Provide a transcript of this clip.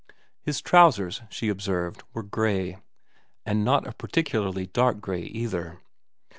His trousers, she observed, were grey ; and not a particularly dark grey either.